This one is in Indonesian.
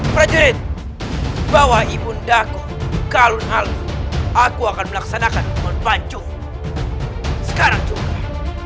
perjurit bawa ibun dago kalun alu aku akan melaksanakan membanjur sekarang juga